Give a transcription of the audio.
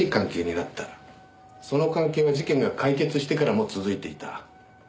その関係は事件が解決してからも続いていた。